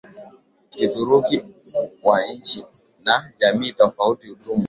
Kituruki wa nchi na jamii tofauti utumwa